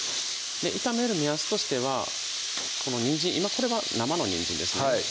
炒める目安としてはこのにんじん今これは生のにんじんですね